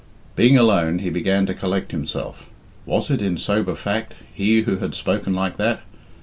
Being alone, he began to collect himself. Was it, in sober fact, he who had spoken like that?